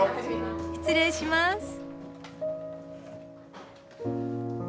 失礼します。